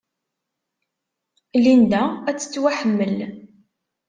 Linda ad tettwaḥemmel.